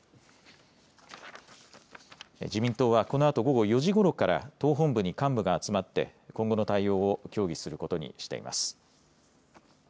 自民党は、このあと午後４時ごろから党本部に幹部が集まって今後の対応を協議することにしています。